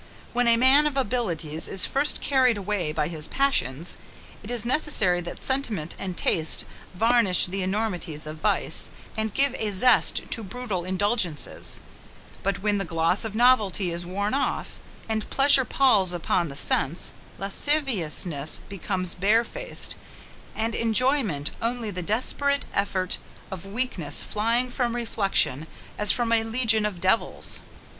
When a man of abilities is first carried away by his passions, it is necessary that sentiment and taste varnish the enormities of vice, and give a zest to brutal indulgences: but when the gloss of novelty is worn off, and pleasure palls upon the sense, lasciviousness becomes barefaced, and enjoyment only the desperate effort of weakness flying from reflection as from a legion of devils.